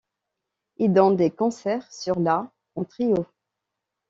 Il donne des concerts sur la en trio.